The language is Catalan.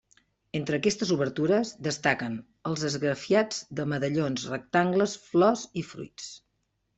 Entre aquestes obertures, destaquen els esgrafiats de medallons, rectangles, flors i fruits.